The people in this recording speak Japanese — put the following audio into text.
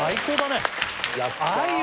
やったー！